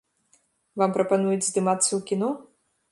Вам прапануюць здымацца ў кіно?